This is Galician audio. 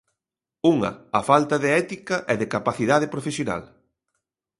Unha, a falta de ética e de capacidade profesional.